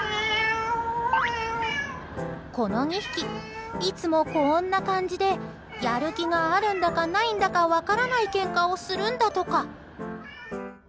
この２匹、いつもこんな感じでやる気があるんだかないんだか分からないけんかをするんだとか。